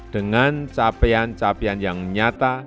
dengan capaian capaian yang nyata